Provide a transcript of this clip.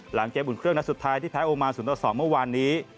หลังเกมอุ่นเครื่องนัดสุดท้ายที่แพ้โอมา๐ต่อ๒เมื่อวานนี้